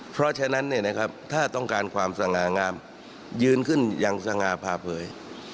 เพราะฉะนั้นถ้าต้องการความสง่างามยืนขึ้นอย่างสง่าพาเผย